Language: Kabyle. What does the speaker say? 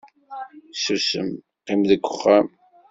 susem, qqim deg uxxam